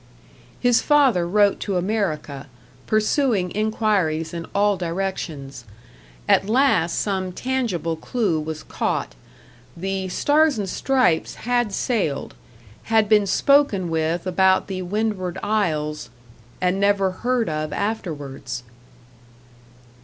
His father wrote to America pursuing inquiries in all directions. At last some tangible clue was caught. The "Stars and Stripes" had sailed, had been spoken with about the Windward Isles and never heard of afterwards.